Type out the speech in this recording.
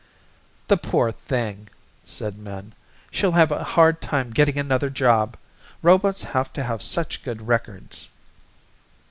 "The poor thing," said Min. "She'll have a hard time getting another job. Robots have to have such good records."